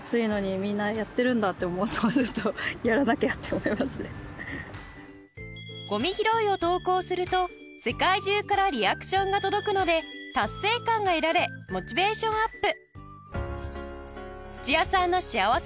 見てるとごみ拾いを投稿すると世界中からリアクションが届くので達成感が得られモチベーションアップ！